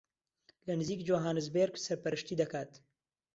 لە نزیک جۆهانسبێرگ سەرپەرشتی دەکات